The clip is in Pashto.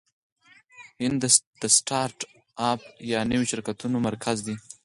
هند د سټارټ اپ یا نویو شرکتونو مرکز دی.